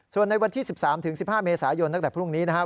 ส่วนในวันที่๑๓๑๕เมษายนตั้งแต่พรุ่งนี้นะครับ